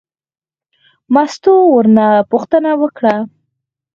مستو ورنه پوښتنه وکړه.